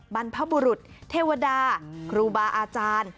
บรรพบุรุษเทวดาครูบาอาจารย์